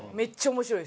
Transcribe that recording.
面白い？